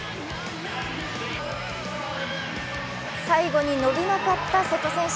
最後に伸びなかった瀬戸選手。